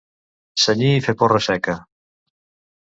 Cenyir i fer porra seca.